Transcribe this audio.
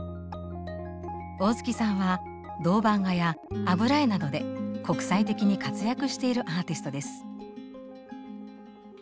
大月さんは銅版画や油絵などで国際的に活躍しているアーティストです。